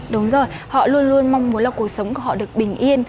đúng rồi họ luôn luôn mong muốn là cuộc sống của họ được bình yên